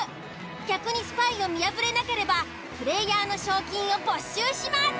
逆にスパイを見破れなければプレイヤーの賞金を没収します。